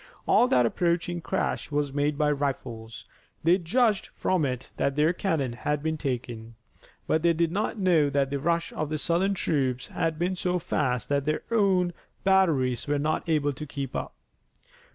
All that approaching crash was made by rifles. They judged from it that their cannon had been taken, but they did not know that the rush of the Southern troops had been so fast that their own batteries were not able to keep up.